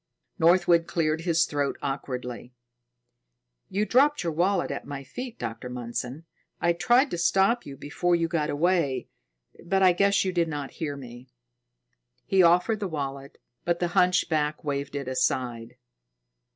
Northwood cleared his throat awkwardly. "You dropped your wallet at my feet, Dr. Mundson. I tried to stop you before you got away, but I guess you did not hear me." He offered the wallet, but the hunchback waved it aside.